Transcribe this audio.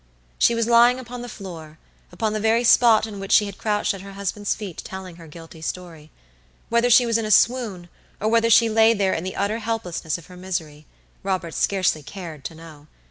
She was lying upon the floor, upon the very spot in which she had crouched at her husband's feet telling her guilty story. Whether she was in a swoon, or whether she lay there in the utter helplessness of her misery, Robert scarcely cared to know.